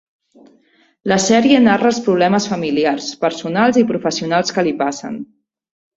La sèrie narra els problemes familiars, personals i professionals que li passen.